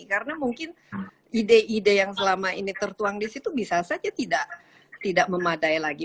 karena mungkin ide ide yang selama ini tertuang di situ bisa saja tidak memadai lagi